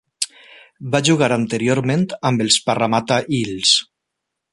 Va jugar anteriorment amb els Parramatta Eels.